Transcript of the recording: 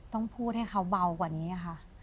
ต้องพูดให้เขาเบากว่านี้ค่ะ